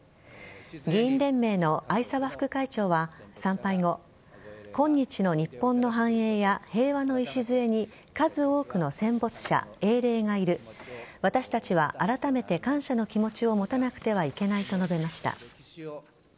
議員連盟の逢沢副会長は参拝後今日の日本の繁栄や平和の礎に数多くの戦没者、英霊がいる私たちはあらためて感謝の気持ちを持たなくてはいけないと述べました。